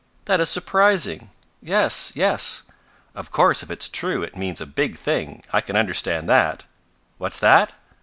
That is surprising! Yes yes! Of course if it's true it means a big thing, I can understand that. What's that?